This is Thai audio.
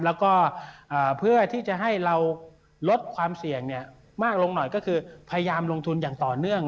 แล้วก็เพื่อที่จะให้เราลดความเสี่ยงมากลงหน่อยก็คือพยายามลงทุนอย่างต่อเนื่อง